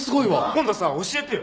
今度さ教えてよ。